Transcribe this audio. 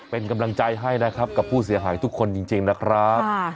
เป็นกำลังใจให้นะครับกับผู้เสียหายทุกคนจริงนะครับ